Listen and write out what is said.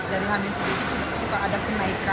dari laluan itu juga sudah ada kenaikan